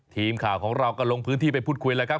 ทีมข่าวของเราก็ลงพื้นที่ไปพูดคุยแล้วครับ